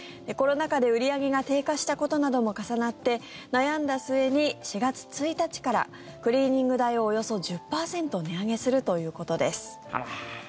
コロナ禍で売り上げが低下したことなども重なって悩んだ末に４月１日からクリーニング代をおよそ１０％値上げするということです。